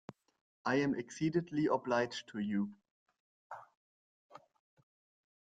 I am exceedingly obliged to you.